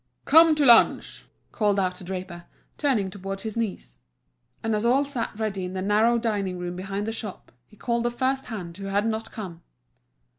"Come to lunch!" called out the draper, turning towards his niece. And as all sat ready in the narrow dining room behind the shop, he called the first hand who had not come.